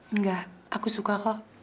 enggak aku suka kok